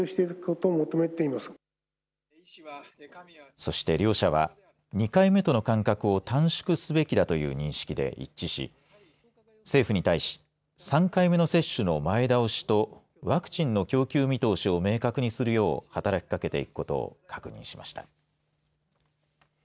そして両者は２回目との間隔を短縮すべきだという認識で一致し政府に対し３回目の接種の前倒しとワクチンの供給見通しを明確にするよう働きかけていくことを確認しました。